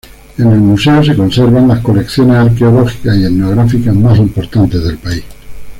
En el museo se conservan colecciones arqueológicas y etnográficas más importantes del país.